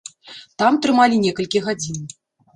Там трымалі некалькі гадзін.